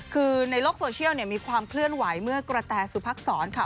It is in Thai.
คือในโลกโซเชียลมีความเคลื่อนไหวเมื่อกระแตสุพักษรค่ะ